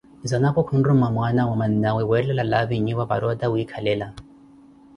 Zanapo khunruma mwana wa mannawe weettela laavi nyupa para ota wiikhalela